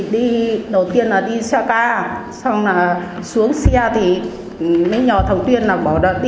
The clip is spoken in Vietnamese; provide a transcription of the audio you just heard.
đầu tiên là đi xe ca xong là xuống xe thì mấy nhỏ thầm tuyên bảo đi thế này thì khó bắt xe đi